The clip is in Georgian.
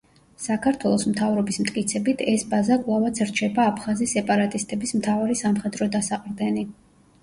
საქართველოს მთავრობის მტკიცებით ეს ბაზა კვლავაც რჩება აფხაზი სეპარატისტების მთავარი სამხედრო დასაყრდენი.